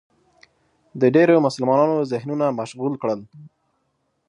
د ډېرو مسلمانانو ذهنونه مشغول کړل